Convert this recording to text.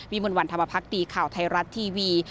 วิมุลวันธรรมพักตีข่าวไทยรัตน์ทีวี